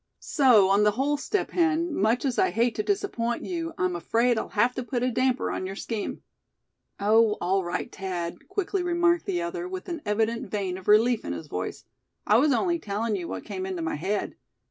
So, on the whole, Step Hen, much as I hate to disappoint you, I'm afraid I'll have to put a damper on your scheme." "Oh! all right, Thad," quickly remarked the other, with an evident vein of relief in his voice; "I was only telling you what came into my head.